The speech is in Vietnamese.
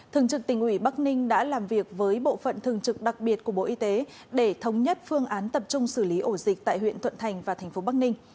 thường trực tỉnh ủy bắc ninh đã làm việc với bộ phận thường trực đặc biệt của bộ y tế để thống nhất phương án tập trung xử lý ổ dịch tại huyện thuận thành và thành phố bắc ninh